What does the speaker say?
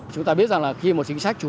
chúng ta biết rằng là khi một chính sách chủ